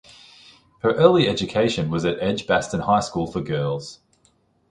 Her early education was at Edgbaston High School for Girls.